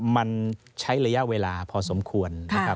มันใช้ระยะเวลาพอสมควร